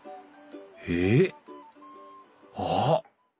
ええっあっ！